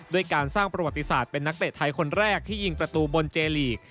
ด้วยการสร้างประวัติศาสตร์เป็นนักเตะไทยคนแรกที่ยิงประตูบนเจลีก